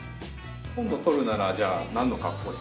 今度撮るならじゃあなんの格好をして。